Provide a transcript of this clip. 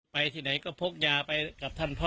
ไปที่ไหนก็พกยาไปกับท่านพ่อ